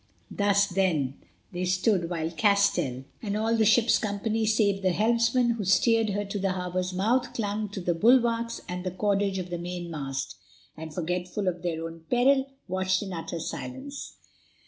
Thus, then, they stood while Castell and all the ship's company, save the helmsman who steered her to the harbour's mouth, clung to the bulwarks and the cordage of the mainmast, and, forgetful of their own peril, watched in utter silence.